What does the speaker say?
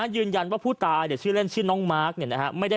ยืนยันว่าผู้ตายชื่อเล่นชื่อน้องมาร์คเนี่ยนะฮะ